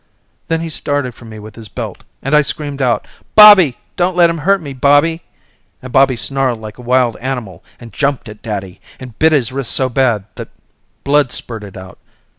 Then he started for me with the belt and I screamed out Bobby! Don't let him hurt me, Bobby, and Bobby snarled like a wild animal and jumped at daddy and bit his wrist so bad the blood spurted out.